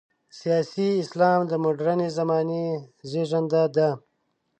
سیاسي اسلام د مډرنې زمانې زېږنده ده.